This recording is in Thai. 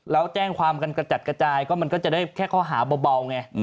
แล้วแจ้งความกันกระจัดกระจายก็มันก็จะได้แค่ข้อหาเบาไง